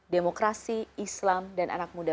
demokrasi islam dan anak muda